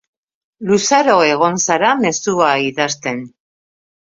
Luzaro egon zara mezua idazten.